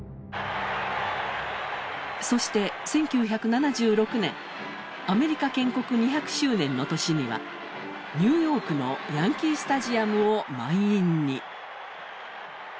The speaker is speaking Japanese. そして１９７６年、アメリカ建国２００周年の年にはニューヨークのヤンキースタジアムを満員に。